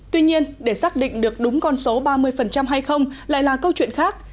tuy nhiên để xác định được đúng con số ba mươi hay không lại là câu chuyện khác